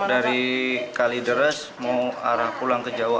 dari kalideres mau arah pulang ke jawa